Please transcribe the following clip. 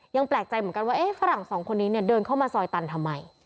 ยังแปลกใจเหมือนกันว่าฝรั่งสองคนนี้เนี่ยเดินเข้ามาซอยตันทำไม